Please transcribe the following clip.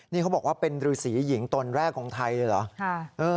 นี่เขาบอกว่าเป็นฤษีหญิงตนแรกของไทยเลยเหรอ